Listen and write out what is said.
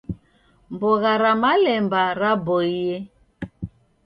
Mbogha ra malemba raboie.